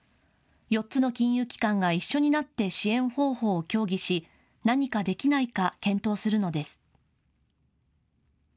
４つの金融機関が一緒になって支援方法を協議し何かできないか検討するのです。